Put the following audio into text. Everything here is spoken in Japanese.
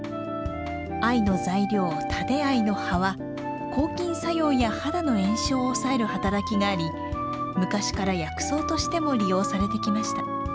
藍の材料タデアイの葉は抗菌作用や肌の炎症を抑える働きがあり昔から薬草としても利用されてきました。